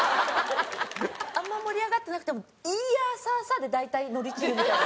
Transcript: あんまり盛り上がってなくても「イーヤーサーサー」で大体乗り切るみたいな。